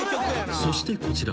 ［そしてこちら。